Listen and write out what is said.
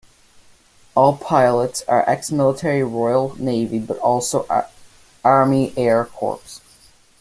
All pilots are ex-military Royal Navy but also Army Air Corps.